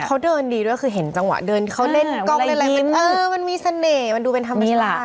เขาเดินดีด้วยคือเห็นจังหวะเดินเขาเล่นกล้องเล่นอะไรมันเออมันมีเสน่ห์มันดูเป็นธรรมชาติ